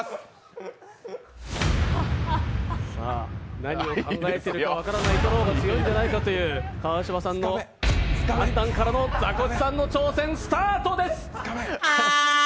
何を考えているか分からない人の方が強いんじゃないかという川島さんの判断からのザコシさんの挑戦、スタートです。